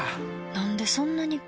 なんでそんなに